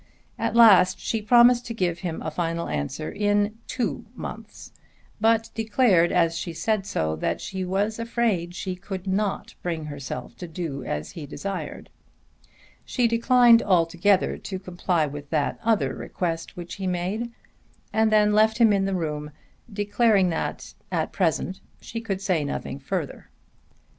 At last she promised to give him a final answer in two months, but declared as she said so that she was afraid she could not bring herself to do as he desired. She declined altogether to comply with that other request which he made, and then left him in the room declaring that at present she could say nothing further.